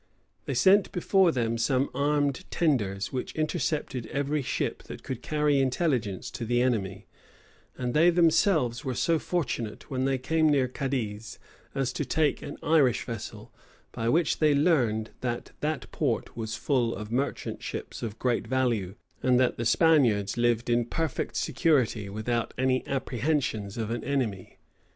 They sent before them some armed tenders, which intercepted every ship that could carry intelligence to the enemy; and they themselves were so fortunate, when they came near Cadiz, as to take an Irish vessel, by which they learned that that port was full of merchant ships of great value, and that the Spaniards lived in perfect security without any apprehensions of an enemy.